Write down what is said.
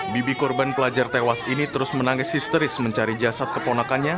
bibi korban pelajar tewas ini terus menangis histeris mencari jasad keponakannya